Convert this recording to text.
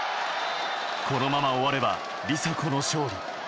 このまま終われば梨紗子の勝利。